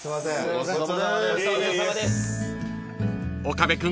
［岡部君